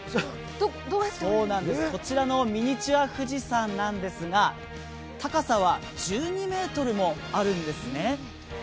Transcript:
こちらのミニチュア富士山なんですが、高さは１２ｍもあるんですね。